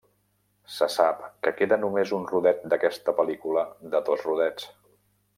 Se sap que queda només un rodet d'aquesta pel·lícula de dos rodets.